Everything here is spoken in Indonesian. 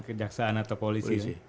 kejaksaan atau polisi